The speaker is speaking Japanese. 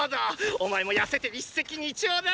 お前も痩せて一石二鳥だな！